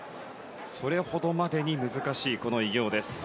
それほどまでに難しいこの偉業です。